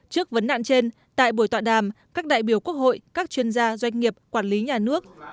trước vấn nạn trên tại buổi tọa đàm các đại biểu quốc hội các chuyên gia doanh nghiệp quản lý nhà nước